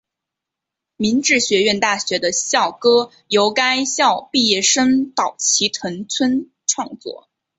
明治学院大学的校歌由该校毕业生岛崎藤村创作。